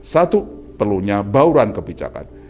satu perlunya bauran kebijakan